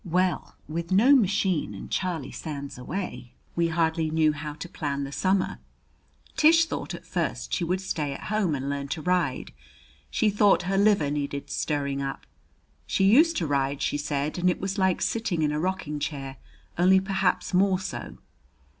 Well, with no machine and Charlie Sands away, we hardly knew how to plan the summer. Tish thought at first she would stay at home and learn to ride. She thought her liver needed stirring up. She used to ride, she said, and it was like sitting in a rocking chair, only perhaps more so.